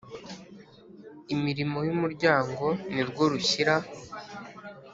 Imirimo y umuryango nirwo rushyira